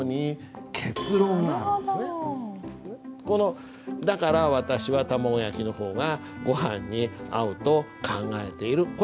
この「だから、私は卵焼きの方がごはんに合うと考えている」。